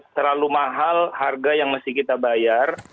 terlalu mahal harga yang mesti kita bayar